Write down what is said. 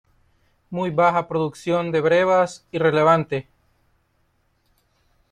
Muy baja producción de brevas, irrelevante.